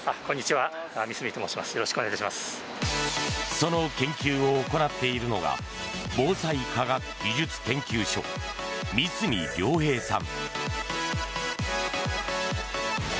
その研究を行っているのが防災科学技術研究所三隅良平さん。